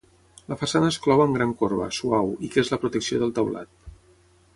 La façana es clou amb gran corba, suau, i que és la protecció del teulat.